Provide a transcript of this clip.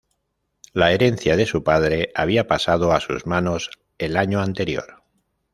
La herencia de su padre había pasado a sus manos el año anterior.